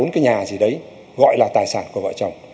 một hai ba bốn cái nhà gì đấy gọi là tài sản của vợ chồng